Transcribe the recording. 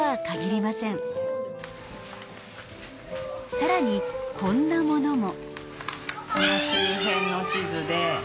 さらにこんなものも。